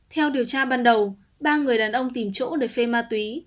theo điều tra ban đầu ba người đàn ông tìm chỗ để phê ma túy